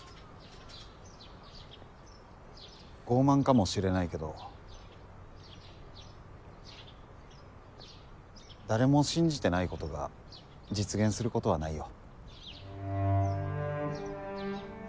傲慢かもしれないけど誰も信じてないことが実現することはないよ。